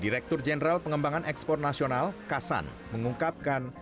direktur jenderal pengembangan ekspor nasional kasan mengungkapkan